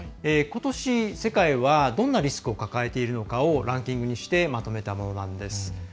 ことし、世界はどんなリスクを抱えているのかをランキングにしてまとめたものです。